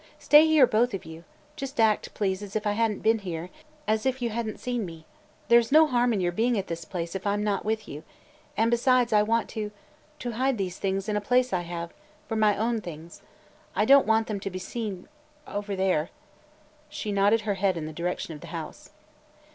"Stay here, both of you. Just act, please, as if I had n't been here, as if you had n't seen me. There 's no harm in your being at this place if I 'm not with you. And, besides, I want to – to hide these things in a place I have – for my own things. I don't want them to be seen – over there." She nodded her head in the direction of the house.